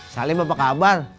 salih apa kabar